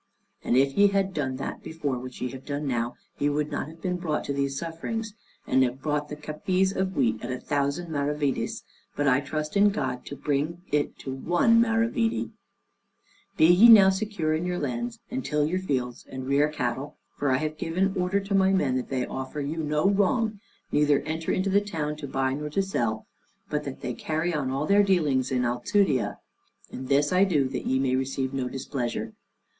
And if ye had done that before which ye have done now, ye would not have been brought to these sufferings and have bought the cafiz of wheat at a thousand maravedis; but I trust in God to bring it to one maravedi. Be ye now secure in your lands, and till your fields, and rear cattle; for I have given order to my men that they offer ye no wrong, neither enter into the town to buy nor to sell; but that they carry on all their dealings in Alcudia, and this I do that ye may receive no displeasure.